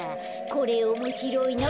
これおもしろいな。